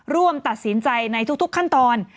ร่วมตัดสินใจในทุกขั้นตอน